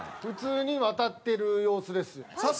普通に渡ってる様子ですよ。